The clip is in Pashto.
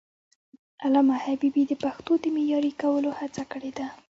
علامه حبيبي د پښتو د معیاري کولو هڅه کړې ده.